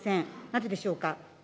なぜでしょうか。